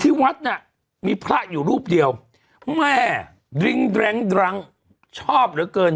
ที่วัดน่ะมีพระอยู่รูปเดียวแม่ดริ้งแร้งดรั้งชอบเหลือเกิน